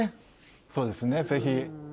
そうですねぜひ。